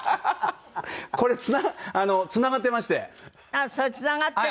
これつながっていまして。